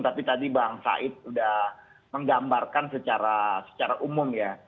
tapi tadi bang said sudah menggambarkan secara umum ya